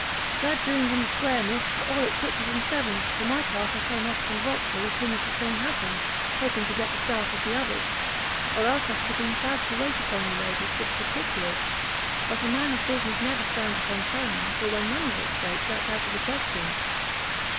Sad doings in the square, Miss! all at sixes and sevens; for my part I came off from Vauxhall as soon as the thing had happened, hoping to get the start of the others, or else I should have been proud to wait upon you, ladies, with the particulars; but a man of business never stands upon ceremony, for when money's at stake, that's out of the question.